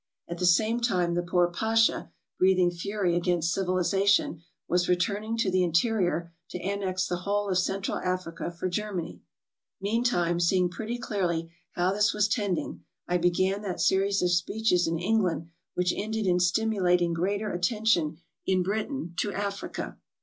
At the same time the poor Pasha, breathing fury against civilization, was re 354 TRAVELERS AND EXPLORERS turning to the interior to annex the whole of Central Africa for Germany. Meantime seeing pretty clearly how this was tending, I began that series of speeches in England which ended in stimulating greater attention in Britain to Africa.